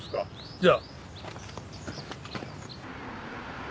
じゃあ。